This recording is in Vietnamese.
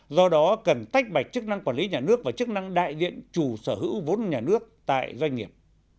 do đó cần tách bạch chức năng quản lý nhà nước và chức năng đại diện chủ sở hữu vốn nhà nước tại doanh nghiệp